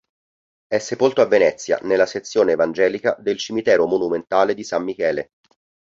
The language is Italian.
È sepolto a Venezia, nella sezione evangelica del cimitero monumentale di San Michele.